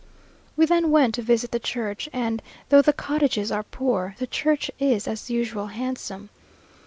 We then went to visit the church; and, though the cottages are poor, the church is, as usual, handsome.